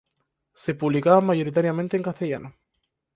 Se publicaba mayoritariamente en castellano.